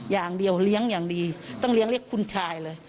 อย่างเดียวเลี้ยงอย่างดีต้องเลี้ยงเรียกคุณชายเลย